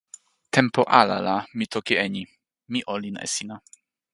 tenpo ala la mi toki e ni: mi olin e sina.